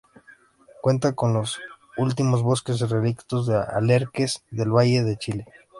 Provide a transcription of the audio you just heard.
Cuenta con los últimos bosques relictos de alerces del valle central de Chile.